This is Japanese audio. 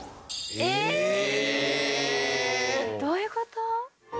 えどういうこと？